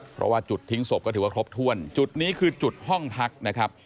เพราะว่าจุดทิ้งศพก็ถือว่าครบถ้วนจุดนี้คือจุดห้องพักนะครับ